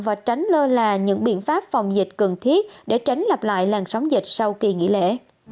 và tránh lơ là những biện pháp phòng dịch cần thiết để tránh lặp lại làn sóng dịch sau kỳ nghỉ lễ